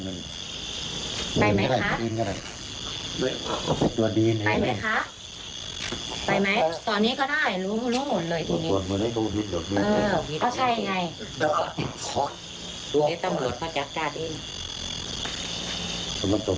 มันตกมันตกใส่ตรงนั้นอย่างงี้เลยก็ถือที่ทำงานแล้วก็เรียกตัวอืม